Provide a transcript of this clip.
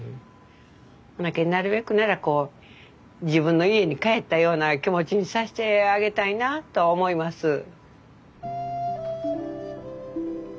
ほなけんなるべくならこう自分の家に帰ったような気持ちにさしてあげたいなとは思います。